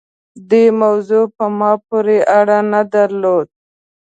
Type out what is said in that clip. دې موضوع په ما پورې اړه نه درلوده.